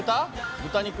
豚肉。